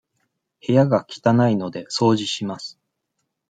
部屋が汚いので、掃除します。